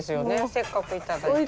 せっかく頂いた。